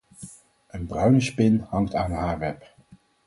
Een bruine spin hangt aan haar web.